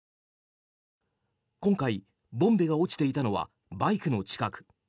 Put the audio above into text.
今回、ボンベが落ちていたのはバイクの近く。